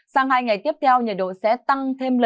sang hai ngày tiếp theo nhiệt độ sẽ tăng nhẹ từ một hai độ